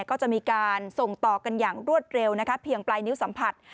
ก็จะมีการส่งต่อกันอย่างรวดเร็วนะคะเพียงปลายนิ้วสัมผัส